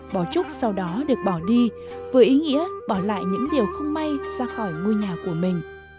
bỏ trúc sau đó được bỏ đi với ý nghĩa bỏ lại những điều không may ra khỏi ngôi nhà của mình